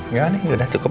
nggak nih udah cukup